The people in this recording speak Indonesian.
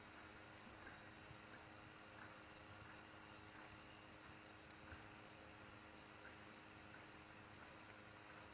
pendidikan negara renungan negara nepara